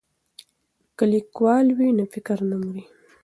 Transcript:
که لیکوال وي نو فکر نه مري.